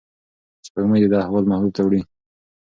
سپوږمۍ د ده احوال محبوب ته وړي.